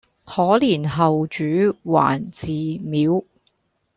可憐後主還祠廟，